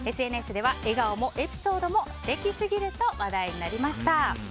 ＳＮＳでは、笑顔もエピソードも素敵すぎると話題になりました。